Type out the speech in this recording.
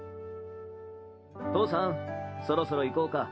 ・父さんそろそろ行こうか。